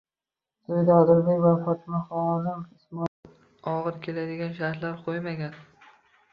To'yda Odilbek va Fotimaxonim Ismoilga og'ir keladigan shartlar qo'ymagan